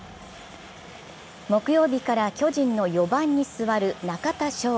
木曜日から巨人の４番に座る中田翔